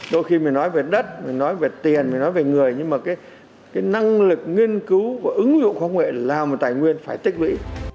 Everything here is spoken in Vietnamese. đôi khi mình nói về đất mình nói về tiền mình nói về người nhưng mà cái năng lực nghiên cứu và ứng dụng công nghệ là một tài nguyên phải tích lũy